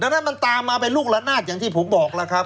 ดังนั้นมันตามมาเป็นลูกละนาดอย่างที่ผมบอกแล้วครับ